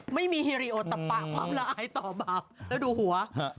ไม่มีฮิริโอตะปะความละอายต่อบาปแล้วดูหัว